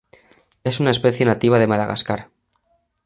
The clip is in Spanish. Es una especie nativa de Madagascar.